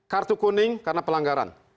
kartu kuning karena pelanggaran